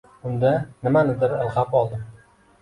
Unda “nimanidir” ilg’ab oldim.